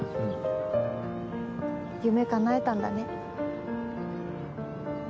夢かなえたんだね。